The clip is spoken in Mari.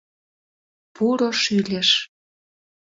Пуро шӱльыш